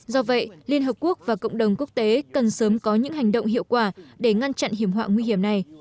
do vậy liên hợp quốc và cộng đồng quốc tế cần sớm có những hành động hiệu quả để ngăn chặn hiểm họa nguy hiểm này